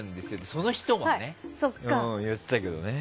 その人も言ってたけどね。